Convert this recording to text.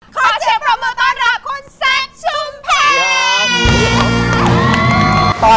ขอเจ็บขอบมือต่อละคุณแซคชุมแผน